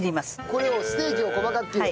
これをステーキを細かく切る。